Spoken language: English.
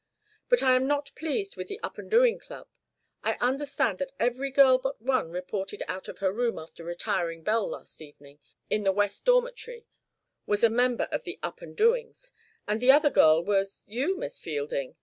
"But I am not pleased with the Up and Doing Club. I understand that every girl but one reported out of her room after retiring bell last evening, in the West Dormitory, was a member of the Up and Doings and the other girl was you, Miss Fielding!"